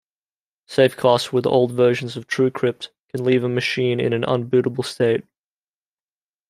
SafeCast with old versions of TrueCrypt can leave a machine in an unbootable state.